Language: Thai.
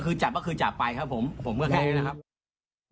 นี่ค่ะไม่กลัวความผิดไม่กลัวถูกดำเนินคดีด้วยคุณผู้ชมค่ะ